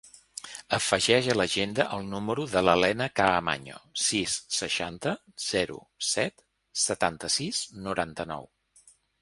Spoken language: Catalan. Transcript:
Afegeix a l'agenda el número de la Lena Caamaño: sis, seixanta, zero, set, setanta-sis, noranta-nou.